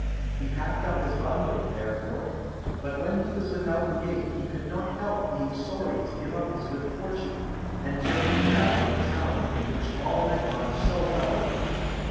He packed up his bundle, therefore, but when he was without the gate he could not help being sorry to give up his good fortune, and turn his back on the town in which all had gone so well with him.